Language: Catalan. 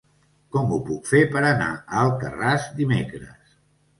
Com ho puc fer per anar a Alcarràs dimecres?